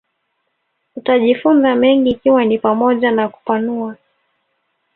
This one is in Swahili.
utajifunza mengi ikiwa ni pamoja na kupanua